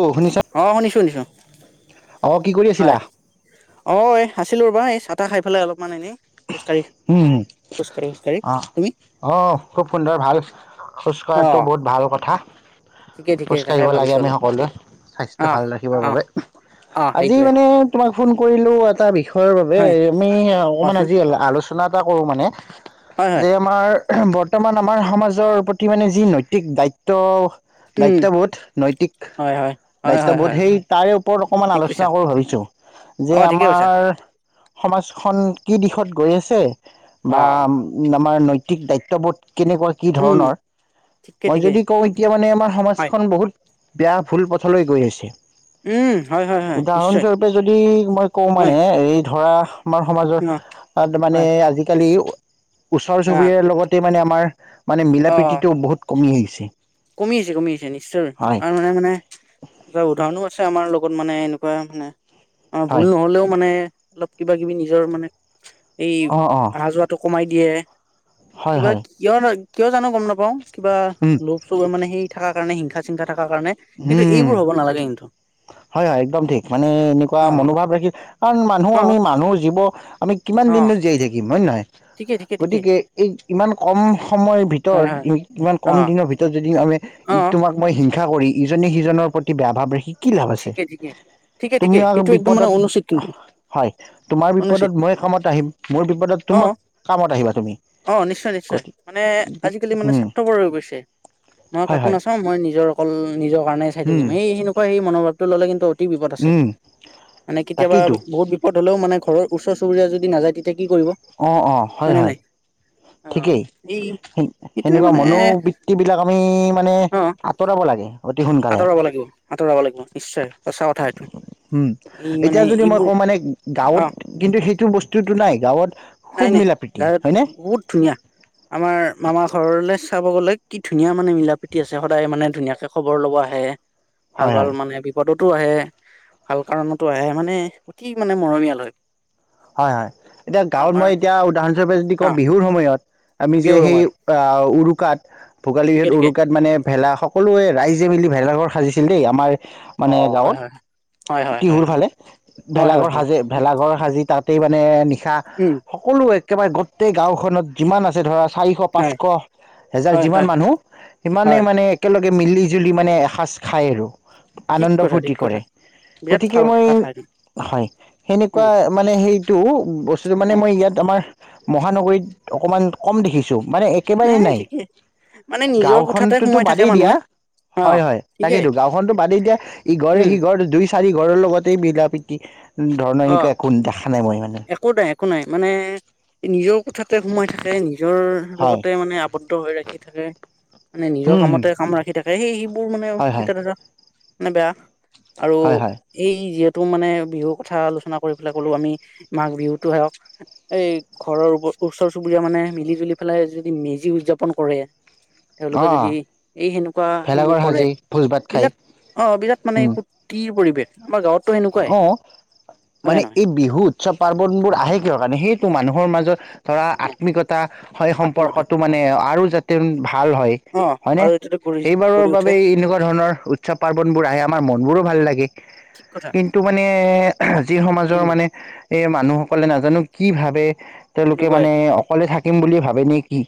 অঁ শুনিছা? অঁ শুনিছো শুনিছোঁ। অ' কি কৰি আছিলা? অ' এ, আছিলোঁ ৰ'বা, এই চাহ তাহ খাই পেলাই অলপমান এনেই খোজ কাঢ়ি উম খোজ কাঢ়ি, খোজ কাঢ়ি। অ তুমি? অ' খুব সুন্দৰ ভাল, খোজ অ কঢ়াটো বহুত ভাল কথা। ঠিকে ঠিকে খোজ তাকে কঢ়িব লাগে ভাবিছো আমি অলপ সকলোৱে, অ স্বাস্থ্য ভাল ৰাখিবৰ অ বাবে। অ আজি সেইটোৱে মানে তোমাক ফোন কৰিলোঁ এটা বিষয়ৰ বাবে, হয় আমি অকমান কোৱাচোন আজি আলোচনা এটা কৰোঁ মানে। হয় হয় যে আমাৰ বৰ্তমান আমাৰ সমাজৰ প্ৰতি মানে যি নৈতিক দায় ত্ব উম দায়িত্ববোধ, নৈতিক হয় হয় হয় হয় দায়িত্ববোধ হয় সেই হয় তাৰে ওপৰত অকমান ঠিক আলোচনা কৈছা কৰোঁ ভাবিছোঁ যে অ ঠিকে কৈছা আমাৰ সমাজখন কি দিশত গৈ আছে অ বা উ, আমাৰ নৈতিক দায়িত্ববোধ কেনেকুৱা, কি উম ধৰণৰ, ঠিকে মই ঠিকে যদি কওঁ এতিয়া মানে আমাৰ হয় সমাজখন বহুত বেয়া ভুল পথলৈ গৈ আছে। উম, হয় হয় হয়, নিশ্চয়। উদাহৰণস্বৰূপে যদি মই কওঁ হয় মানে এই ধৰা আমাৰ সমাজত অ মানে হয় আজিকালি ওচৰ অ চুবুৰীয়াৰ লগতে মানে আমাৰ মানে মিলা অ প্ৰীতিটো বহুত কমি আহিছে। কমি আহিছে, কমি আহিছে নিশ্চয়। হয় আৰু মানে মানে উদাহৰণো আছে আমাৰ লগত মানে এনেকোৱা মানে, আমাৰ ভুল হয় নহ'লেও মানে অলপ কিবা কিবি নিজৰ মানে এই অ অ আহা যোৱাটো কমাই দিয়ে। হয় কিবা হয় কিয়, কিয় জানো গম নাপাওঁ, কিবা উম। চবেই মানে সেই থকাৰ কাৰণে, হিংসা চিংসা থাকাৰ কাৰণে কিন্তু উম এইবোৰ হ'ব নালাগে কিন্তু। হয় হয়, একদম ঠিক, মানে এনেকুৱা অ মনোভাৱ ৰাখি কাৰণ মানুহ অ আমি মানুহ, জীৱ আমি কিমান অ দিননো জীয়াই থাকিম হয় নহয়। ঠিকে ঠিকে ঠিকে গতিকে এই ইমান কম সময়ৰ হয় ভিতৰত, হয় ইমান কম অ দিনৰ ভিতৰত যদি আমি অ ই তোমাক মই হিংসা কৰি, ইজনে সিজনৰ প্ৰতি বেয়া ভাৱ ৰাখি কি লাভ আছে। ঠিকে ঠিকে ঠিকে ঠিকে তোমাৰ সেইটো একদম মানে অনুচিত বিপদত কিন্তু হয়, তোমাৰ অনুচিত বিপদত মই কামত আহিম, মোৰ বিপদত অ তোমাক কামত আহিবা তুমি। অ' নিশ্চয় নিশ্চয়, গতিকে মানে আজিকালি মানে উম স্বাৰ্থপৰ হৈ গৈছে, মই হয় কাকো হয় নাচাম মই নিজৰ অকল নিজৰ কাৰণে চাই উম থাকিম, সেই সেনেকুৱা সেই মনোভাৱ টো ল'লে কিন্তু অতি বিপদ আছে, উম মানে কেতিয়াবা তাকেইতো বহুত বি পদ হ'লেও মানে ঘৰৰ ওচৰ চুবুৰীয়া যদি নাযায় তেতিয়া কি কৰিব। অ', অ' হয় হয়নে হয়। নাই? অ ঠিকেই, এই এইটোয়ে সেনেকুৱা মানে মনোবৃত্তিবিলাক আমি মানে তৰাব লাগে। অতি সোনকালে আতৰাব লাগি, আতৰাব লাগিব নিশ্চয়। সঁচা কথা এইটো হুম, এই মানে এতিয়া যদি মই এইবোৰ কওঁ মানে গাঁৱত অ কিন্তু সেইটো বস্তুটো নাই, গাঁৱত খুব নাই নাই, মিলা প্ৰীতি গাঁৱত হয়নে বহুত ধুনীয়া। আমাৰ মামাৰ ঘৰলে চাব গ'লে কি ধুনীয়া মানে মিলা প্ৰীতি আছে, সদায় মানে ধুনীয়াকে খবৰ ল'ব আহে। ভাল হয় ভাল হয় মানে বিপদতো আহে, ভাল কাৰণতো আহে মানে অতি মানে মৰমীয়াল হয়। হয় হয়। এতিয়া গাঁৱত আমাৰ মই এতিয়া উদাহৰণস্বৰূপে যদি অ কওঁ বিহুৰ সময়ত আমি যে বিহুৰ সেই সময়ত অ' উৰুকাত, ভোগালীত ঠিকে ঠিকে উৰুকাত মানে ভেলা সকলোৱে ৰাইজে মেলি ভেলাঘৰ সাজিছিল দেই। আমাৰ অ মানে হয় গাঁৱত, হয় হয় হয় হয় টিহুৰ ফালে হয় হয় হয় ভেলাঘৰ হয় সাজে, ভেলাঘৰ সাজি তাত [unintelligible] মানে নিশা উম সকলো একেবাৰে গটেই গাঁওখনত যিমান আছে ধৰা চাৰিশ, হয় পাঁচশ, হেজাৰ হয় যিমান হয় মানুহ সিমানেই হয় মানে একেলগে মিলি জুলি মানে এসাজ খায় আৰু ঠিক আনন্দ কথা ফূৰ্তি ঠিক কৰে। কথা বিৰাট গতিকে ভাল মই কথা এইটো হয় সেনেকুৱা উম মানে সেইটো [unintelligible] বস্তুটো মানে উম মই ইয়াত আমাৰ মহানগৰীত অকমান কম দেখিছোঁ মানে এই একেবাৰেই নাই মানে নিজৰ কোঠাতে গাঁওখনতোতো সোমাই থাকে বাদেই দিয়া মানুহে অ হয় হয় ঠিকেই তাকেইতো গাঁওখনতো বাদেই দিয়া ইঘৰে উম সিঘৰ দুইচ- চাৰি ঘৰৰ লগতেই মিলা প্ৰীতি ধৰণৰ অ এনেকুৱা একো দেখা নাই মই মানে একো [unintelligible] একো নাই মানে নিজৰ কোঠাতে সোমাই থাকে নিজৰ হয় লগতে মানে আপ আবদ্ধ হৈ ৰাখি থাকে। মানে নিজৰ উম হম কামতে কাম ৰাখি থাকে সেই সেবোৰ মানে আও হয় হয় চিন্তাধাৰা মানে বেয়া আৰু হয় হয় এই যিহেতু মানে বিহুৰ কথা আলোচনা কৰি পেলাই ক'লো আমি মাঘ বিহুতো হেয়ক এই ঘৰৰ ওব ওচৰ চুবুৰীয়া মানে মিলি জুলি পেলাই যদি মেজি উযাপন কৰে অ তেওঁলোকে যদি এই সেনুকুৱা ভেলাঘৰ সমূহ কৰে সাজি ভোজ ভাত খাই বিলাট অ', বিৰাট মানে উম ফূৰ্তিৰ পৰিৱেশ আমাৰ গাঁৱত অ', মানে এইব বিহু উৎচৱ পাৰ্বন বোৰ আহে কিহৰ কাৰণে সেইটো মানুহৰ মাজ ধৰা অ আত্মিকতা হয় আত্মীয়তা সম্পৰ্কটো মানে আৰু যাতে উম ভাল হয় অ আৰু হয়নে? এইটোতে গঢ়ি সেইবাৰৰ গঢ়ি উঠে বাবে এই এনেকুৱা ধৰণৰ উৎচৱ পাৰ্বনবোৰ আহে আমাৰ মন বোৰো ভাল লাগে। ঠিক কথা কিন্তু মানে জিৰ সমাজৰ উম মানে এ, মানুহসকলে নাজানোঁ কি ভাবে তেওঁলোকে এনেকুৱাই মানে অকলে থাকিম বুলিয়েই ভাবে নি কি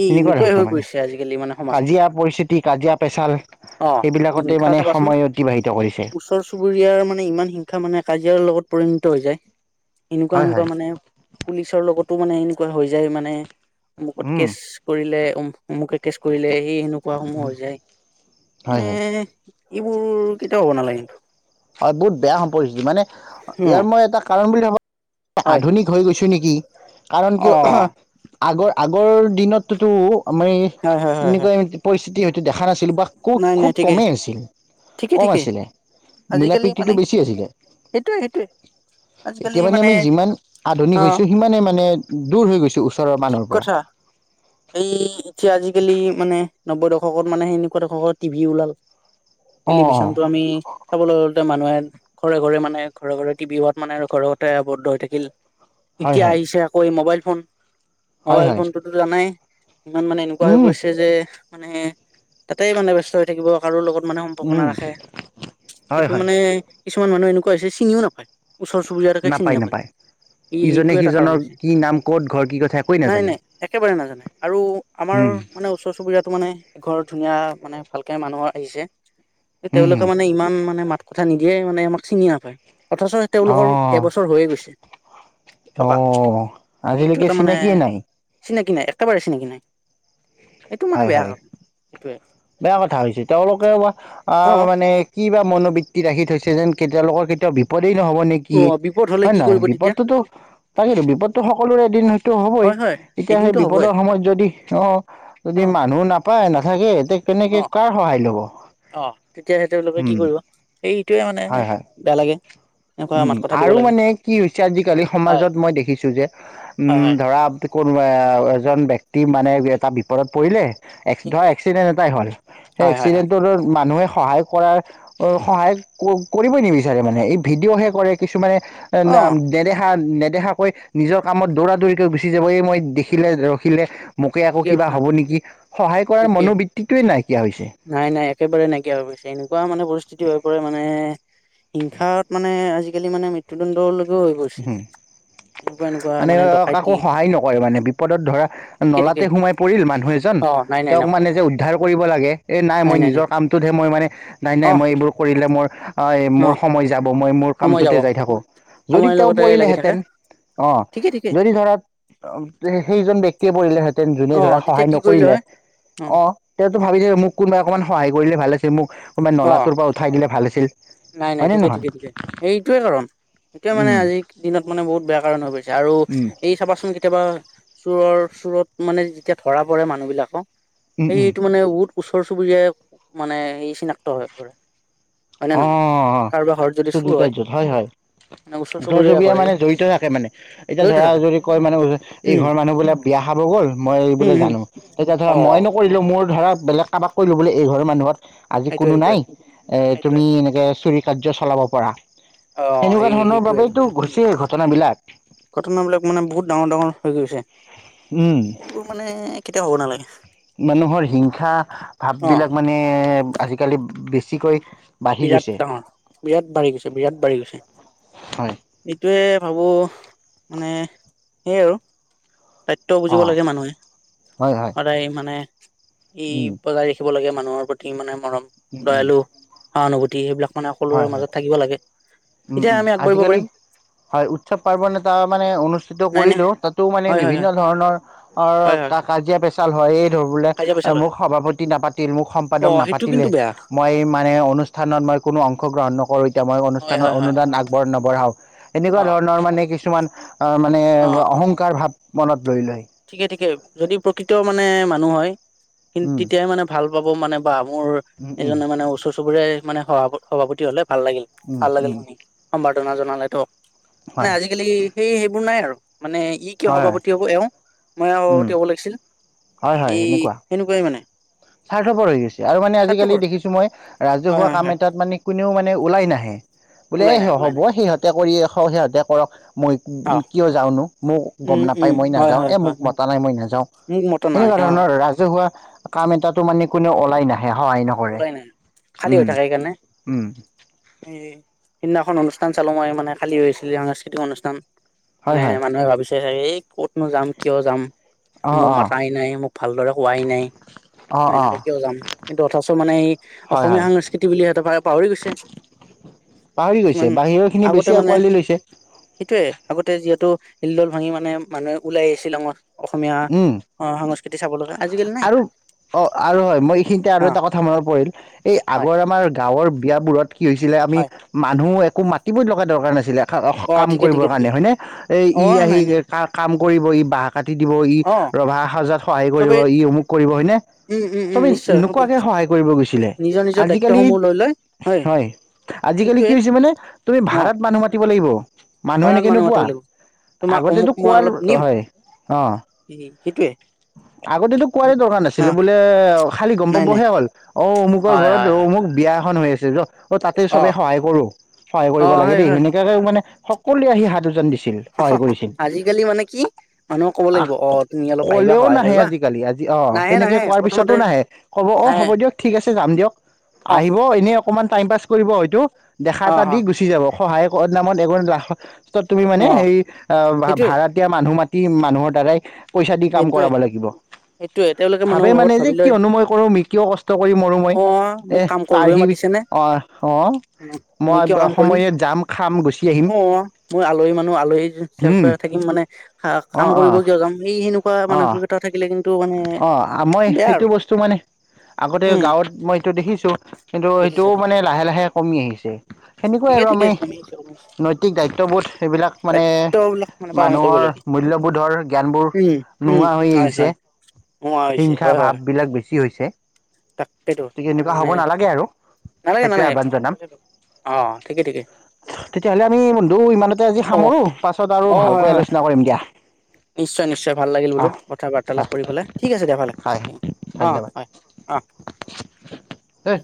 ই এনেকুৱাই হৈ ধৰণৰ মানে গৈছে আজিকালি মানে সমাজখন কাজিয়া পৰিস্থিতি কাজিয়া পেচাল অ সেইবিলাকতে হিংসা মানে চাবাচোন সময় অতিবাহিত কৰিছে। ওচৰ চুবুৰীয়াৰ মানে ইমান হিংখা মানে কাজিয়াৰ লগত পৰিণত হৈ যায় এনুকুৱা হয় হয় এনুকুৱা মানে পুলিচৰ লগতো মানে এনুকুৱা হৈ যায় মানে অমুকত উম কেচ কৰিলে অমু অমুকে কেচ কৰিলে সি হেনো খোৱা সময় হৈ যায় হয় মানে হয় এইবোৰ কেতিয়াও হ'ব নালাগে [unintelligible] হয় বহুত বেয়া [unintelligible] মানে উম, ইয়াৰ মই এটা কাৰণ বুলি [unintelligible] হয় আধুনিক হৈ গৈছোঁ নিকি কাৰণ অ', কিয় আগৰ আগৰ দিনত তোতো আমি হয় হয় হয় হয়। এনেকুৱা পৰিস্থিতি হয়তো দেখা নাছিলোঁ বা কু নাই, খুব নাই ঠিকেই, কমেই আছিল ঠিকেই, কম ঠিকেই আছিলে মিলা আজিকালি প্ৰীতিটো মানে বেছি আছিলে। সেইটোয়ে, সেইটোয়ে এতিয়া মানে আমি যিমান আধুনিক অ', হৈছোঁ সিমানে মানে দূৰ হৈ গৈছোঁ ওচৰৰ ঠিক মানুহৰ পৰা। কথা এই এতিয়া আজিকালি মানে নব্বৈ দশকত মানে সেনেকুৱা দশকত টিভি ওলাল অ অ টেলিভিছনটো আমি চাবলৈ গ'লে মানুহে ঘৰে ঘৰে মানে ঘৰ ঘৰে টিভি হোৱাত মানে আৰু ঘৰতে আৱদ্ধ হৈ থাকিল। হয় এতিয়া হয় আহিছে আকৌ এই মবাইল ফোন হয় মবাইল হয় ফোনটোতো জানাই ইমান মানে এনেকুৱা হৈ উম গৈছে যে মানে তাতেই মানে ব্যস্ত হৈ থাকিব কাৰো লগত ইমানে সম্পৰ্ক উম নাৰাখে হয় সেইটো হয় মানে কিছুমান মানুহ এনুকুৱা হৈছে চিনিও নাপায়। ওচৰ চুবুৰীয়াটোকে চিন নাপায়। ই সেইটো ইজনে এটা কাৰণ সিজনৰ হৈছে কি নাম ক'ত ঘৰ কি কথা একোৱেই নাই নাজানে নাই একেবাৰে নাজানে আৰু আমাৰ হুম মানে ওচৰ চুবুৰীয়াটো মানে ঘৰ ধুনীয়া মানে ভালকে মানুহৰ আহিছে হুম তেওঁলোকে হুম মানে ইমান মানে মাত কথা নিদিয়ে মানে আমাক চিনি নাপাই। অথচ অ তেওঁলোকৰ এবছৰ হৈয়ে গৈছে। থকা অহ, এইটো আজিলেকে এটা মানে চিনাকিয়ে নাই। চিনাকি নাই একেবাৰে চিনাকি নাই। এইটো মানে বেয়া হয়-হয় কাৰণ সেইটোৱে বেয়া কথা হৈছে, তেওঁলোকে অ, মানে কি বা মনোবৃত্তি ৰাখি থৈছে যেন কেতিয়লোকৰ কেতিয়াও বিপদেই নহ'ব নেকি কি অ বিপদ হলে হয় নে কি নহয় কৰিব তেতিয়া বিপদটোতো তাকেতো বিপদতটো সকলোৰে এদিন হয়তো হবই হয় হয় এতিয়া সেই এদিনতো হবই বিপদৰ সময়ত যদি অহ, অ যদি মানুহ নাপায় নাথাকে এতিয়া কেনেকে অ কাৰ সহায় ল'ব উম, এইটোয়ে মানে হয় হয় বেয়া লাগে। এনেকুৱা মাত কথা দিব আৰু লাগে মানে কি হৈছে আজিকালি হয় সমাজত মই দেখিছো যে হয় উম, হয় ধৰা কোনো এজন ব্যক্তি মানে এটা বিপদত পৰিলে ঠিক এক্সট্ৰা ঠিক এক্সিডেণ্ট এটা হ'ল সেই হয় হয় হয় এক্সিডেণ্টটো মানুহে সহায় কৰাৰ সহায় কৰিব নিবিচাৰে মানে, এই ভিডিঅ'হে কৰে কিছুমানে অ ন নেদেহা-নেদেহা [unintelligible] কৈ নিজৰ কামত দৌৰা - দৌৰিকৈ গুচি যাবয় মই দেখিলে ৰখিলে মোকে আকৌ ঠিকে কিবা কথা হ'ব নেকি, সহায় কৰাৰ মনোবৃত্তিটোৱে নাইকিয়া হৈছে। নাই-নাই একেবাৰে নাইকিয়া হৈ পৰিছে এনেকুৱা মানে পৰিস্থিতি হৈ পৰে মানে হিংসাৰত মানে আজিকালি মানে মৃত্যুদণ্ড হম, মানে কাকো সহায় নকৰে মানে বিপদত ধৰা ঠিকে নলাতে ঠিকে সোমাই পৰিল মানুহ এজন অ নাই নাই তেওঁক নকৰে মানে যে উদ্ধাৰ কৰিব লাগে এ নাই মই নিজৰ কামটোতহে মই মানে অ নাই-নাই মই এইবোৰ কৰিলে অ মোৰ-মোৰ সময় যাব, মই মোৰ সময় যাব কামটোতে যাই থাকো। যদি সময়ৰ তেওঁ লগতে লাগি থাকে পৰিলেহেঁতেন অহ, ঠিকে ঠিকে যদি ধৰা সেইজন ব্যক্তিয়ে পৰিলেহেতেন যোনে অ ধৰা তেতিয়া সহায় কি কৰিলে নকৰিলে হয় অ, তেওঁতো ভাবিচে, মোক কোনোবাই অকমান সহায় কৰিলে ভাল আছিল মোক কোনবাই অ নলাটোৰ পৰা উঠাই দিলে ভাল আছিল। নাই নাই হয়নে ঠিকে - নহয় ঠিকে - ঠিকে সেইটোয়ে কাৰণ এইটোয়ে মানে উম আজিৰ দিনত মানে বহুত বেয়া কাৰণ হৈ গৈছে। আৰু উম এই চাবাচোন কে কেতিয়াবা চোৰৰ - চোৰত মানে যেতিয়া ধৰা পৰে মানুহ বিলাকক উম উম সেইটো মানে উত ওচৰ চুবুৰীয়াই মানে এই চিনাক্ত হৈ পৰে। হয় নে অ, নহয় কাৰোবাৰ ঘৰত যদি চুৰ চবি কাৰ্যত হয় - হয়। ওচৰ চুবুৰীয়া মানে জড়িত থাকে মানে এতিয়া জড়িত ধৰা থাকে যদি কয় মানে এই উম ঘৰ মানুহ বোলে বিয়া খাব গ'ল মই উম বোলে হম জানো তেতিয়া ধৰা অ মই নক কৰিলো মোৰ ধৰা বেলেগ কাবাক কৰিলো বোলে এইঘৰৰ মানুহত আজি সেইটোৱে কোনো সেইটোৱে নাই এ সেইটোৱে তুমি এনেকে চুৰি কাৰ্য চলাব পাৰা। অ সেনেকুৱা সেই ধৰণৰ সেইটোৱে বাবেইতো হৈছে ঘটনাবিলাক। ঘটনাবিলাক মানে বহুত ডাঙৰ - ডাঙৰ হৈ গৈছে উম এইবোৰ মানে কেতিয়াও হব নালাগে। মানুহৰ হিংসা ভাব অ বিলাক মানে আজিকালি বেছিকৈ। বাঢ়ি বিৰাট গৈছে ডাঙৰ বিৰাট বাঢ়ি গৈছে - বিৰাট বাঢ়ি গৈছে। হয় এইটোৱে ভাবোঁ মানে সেইয়ে আৰু। দায়িত্ব বুজিব অ লাগে মানুহে হয় হয় সদায় মানে ই উম বজাৰী থাকিব লাগে মানুহৰ প্ৰতি মানে মৰম উম উম দয়ালু সহানুভূতি সেইবিলাক মানে সকলোৰে মাজত থাকিব লাগে। তেতিয়া উম-উম আমি আগবাঢ়িব আজিকালি পাৰিম হয় উৎসৱ পাৰ্বণ এটা মানে অনুষ্ঠিত নাই নে কৰিলেও তাত টো মানে হয় হয় বিভিন্ন হয় ধৰণৰ অ, হয় হয় কা - কাজিয়া পেচাল হয় এই ধৰবোলে কাজিয়া পেচাল হয় মোক সভাপতি নাপাতিল মোক অ সম্পাদক সেইটো নাপাতিলে। কিন্তু বেয়া মই মানে অনুষ্ঠানত মই কোনো অংশগ্ৰহণ নকৰো এতিয়া মই অনুচ হয় হয় হয় আগবঢ় নবঢ়াও এনেকুৱা অ ধৰণৰ মানে কিছুমান অ মানে অ অহংকাৰ ভাৱ মনত লৈ লয়। ঠিকে ঠিকে যদি প্ৰকৃত মানে মানুহ হয় কিন্ত উম তেতিয়াই মানে। ভাল পাব মানে বা মোৰ উম উম এজনে মানে ওচৰ চুবুৰীয়াই মানে সভাপ - সভাপতি হ'লে ভাল লাগিল। উম ভাল লাগিল উম শুনি সম্বাৰ্ধনা জনালে তেওঁক মানে হয় আজিকালি। সেই সেইবোৰ নাই আৰু মানে ই কিয় হয় হয় সভাপতি হ'ব এওঁ। মই উম সোভাপতি হ'ব লাগিছিল হয় হয় এই সেনেকুৱা সেনেকুৱাই মানে। স্বাৰ্থপৰ হৈ গৈছে আৰু মানে আজিকালি স্বাৰ্থপৰ দেখিছো মই হয় ৰাজহুৱা হয় কাম হয় এটাত মানে কোনেও মানে ওলাই নাহে। বোলে ওলাই নাই এ ওলাই হ'ব নাই সিহঁতে কৰি সিহঁতে কৰক। মই অ কিয় যাওঁনো মোক উম গম উম নাপাই মই হয় নাযাওঁ হয় এ হয় মোক মতা নাই মই নাযাওঁ। মোক মতা নাই এনেকুৱা অ ধৰণৰ ৰাজহুৱা। কাম এটাটো মানে কোনেও ওলাই নাহে সহায় নকৰে ওলাই নাই খালী উম হৈ থাকে সেইকাৰণে উম। এই সিদিনাখন অনুষ্ঠান চালো মই মানে খালী হৈছিল সাংস্কৃতিক অনুষ্ঠান। হয় মানে হয় মানুহে ভাবিছে চাগে এই কতনো যাম কিয় যাম অ মোক অ মাতায় নাই মোক। ভালদৰে কোৱাই নাই অ মই অ এনেকে কিয় যাম। যথাচৰ মানে এই হয় অসমীয়া হয় সংস্কৃতি বুলি সিহঁতে পা - পাহৰি গৈছে। পাহৰি কিছুমান গৈছে বাহিৰৰ খিনি বেছি আঁকোৱালি লৈছে। সেইটোৱে আগতে যিহেতু হিলডল ভাঙি মানে মানুহে ওলাই আহিছিল সঙ অসমীয়া। উম অ সংস্কৃতি চাব লগা আজিকালি নাই। আৰু অ আৰু হয় মই এইখিনিতে আৰু অ এটা কথা মনত পৰিল এই হয় আগৰ আমাৰ গাঁৱৰ বিয়াবোৰত। কি হৈছিলে আমি হয় মানুহ একো মাতিব লগা দৰকাৰ নাছিলে অ কাম ঠিকে কৰিবৰ ঠিকে ঠিকে কাৰণে হয়নে। এ অ ই আহি নাই নাই কা - কাম কৰিব ই বাহ কাটি দিব ই অ ৰভা সজাত সহায় কৰিব চবেই ই। অমুক কৰিব হয়নে উম উম উম চবেই নিশ্চয় হ'ব নোকোৱাকে সহায় কৰিব গৈছিলে নিজৰ নিজৰ আজিকালি। দায়িত্বসমূহ লৈ লয় হয় আজিকালি সেইটোয়ে কি হৈছে মানে তুমি অ ভাড়াত মানুহ মাতিব লাগিব। মানুহ পাৰাত এনেকে মাতিব নোপোৱা। লাগিব তোমাৰ আগতেতো অমুক মই কোৱাৰ অলপ নিম হয় অ সেইটোয়ে আগতেতো। কোৱাৰে দৰকাৰ অ নাছিলে বোলে অ খালি গম নাই নাই পাবহে হ'ল অ অমুকৰ হয় ঘৰত হয় ৰ। হয় মোক বিয়া এখন হৈ আছে জ অ তাতে চবে সহায় কৰো। সহায় অ কৰিব লাগে হয় দেই হয় সেনেকাকে মানে সকলোৱে আহি হাত উজান দিছিল সহায় কৰিছিল। আজিকালি মানে কি মানুহক ক'ব আহ লাগিব অ তুমি অলপ আহিবা কলেও সহায় নাহে কৰিবা আজিকালি আজি। অঁ নাহে সেনেকে নাহে কোৱাৰ পিছতো প্ৰথমতে নাহে ক'ব অ নাহে হ'ব দিয়ক ঠিক আছে যাম দিয়ক আহিব। অ এনেই অকমান টাইম পাছ কৰিব হয়তটো দেখা অ এটা অ দি গুচি যাব সহায় নামত। ত তুমি অ মানে সেই অ সেইটোৱে ভাৰাতীয়া মানুহ মাতি মানুহৰ দ্বাৰাই। পইচা দি কাম সেইটোৱে কৰাব লাগিব। সেইটোৱে তেওঁলোকে ভাবে মানুহৰ ভাৱত মানে যে ভাবি লয় কিয়নো মই কৰো। কিয় কষ্ট কৰি মৰো মই। অ এ মোক কাম কৰিবই তাৰহি মাতিছে নে অ অ। মই কিয় কাম কৰিম। গুচি আহিম অ মই আলহী মানুহ আলহী হিচাপে থাকিম মানে হা কাম অঁ কৰিব অঁ কিয় যাম। এই সেন এনেকুৱা অঁ মানসিকতা থাকিলে কিন্তু মানে অঁ মই বেয়া সেইটো আৰু বস্তু মানে আগতে উম গাঁৱত মই এইটো দেখিছো। কিন্তু দেখিছা সেইটোও মানে দেখিছা লাহে লাহে কমি আহিছে। সেনেকুৱাই ঠিকে আৰু ঠিকে আমি কমিছে কমিছে নৈতিক দায়িত্ববোধ সেইবিলাক মানে দায়িত্ববিলাক মানে পালন কৰিব মানুহৰ। লাগে মূল্যবোধৰ জ্ঞানবোৰ। উম উম নোহোৱা হৈ হয় আহিছে। হয় নোহোৱা হৈছে হিংসা হয় ভাব হয় বিলাক বেছি হৈছে। তাকেইতো তি মই এনেকুৱা মানে হ'ব নালাগে আৰু নালাগে সেইটোৱে নালাগে। আহ্বান জনাম অ ঠিকে ঠিকে। তেতিয়াহ'লে আমি বন্ধু ইমানতে আজি অ সামৰো পাছত আৰু অ হয় ভালকৈ হয় আলোচনা কৰিম দিয়া। নিশ্চয় নিশ্চয় ভাল লাগিল বোলো আহ কথা বাৰ্তালাপ আহ কৰি পেলাই ঠিক আছে দিয়া [unintelligible] অ' হয় অ'। হে